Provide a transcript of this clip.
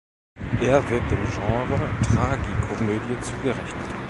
Er wird dem Genre Tragikomödie zugerechnet.